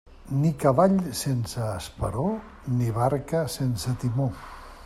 Ni cavall sense esperó ni barca sense timó.